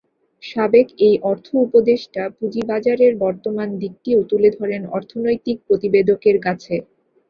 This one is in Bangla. সাবেক এই অর্থ উপদেষ্টা পুঁজিবাজারের বর্তমান দিকটিও তুলে ধরেন অর্থনৈতিক প্রতিবেদকদের কাছে।